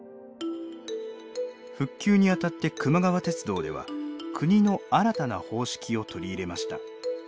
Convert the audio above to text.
復旧にあたってくま川鉄道では国の新たな方式を取り入れました。